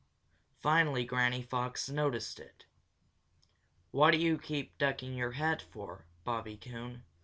Finally Granny Fox noticed it. "What do you keep ducking your head for, Bobby Coon?"